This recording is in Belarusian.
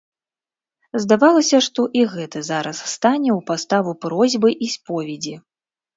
Здавалася, што і гэты зараз стане ў паставу просьбы і споведзі.